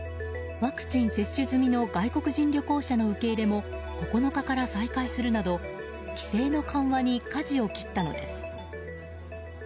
ワクチン接種済みの外国人旅行者の受け入れも９日から再開するなど規制の緩和にかじを切ったのです。